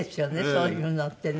そういうのってね。